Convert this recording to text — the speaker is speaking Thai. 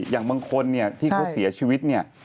อย่างบางคนที่เขาเสียชีวิต